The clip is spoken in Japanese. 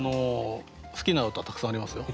好きな歌たくさんありますよ。